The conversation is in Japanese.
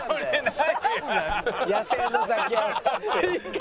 野生のザキヤマって。